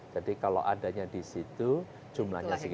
jadi kalau adanya di situ jumlahnya segitu